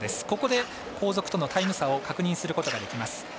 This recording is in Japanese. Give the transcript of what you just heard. ここで後続とのタイム差を確認することができます。